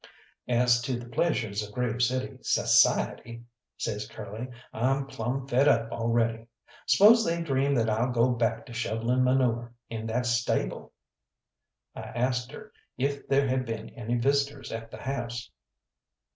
"As to the pleasures of Grave City sassiety," says Curly, "I'm plumb fed up already. 'Spose they dream that I'll go back to shoveling manure in that stable?" I asked her if there had been any visitors at the house.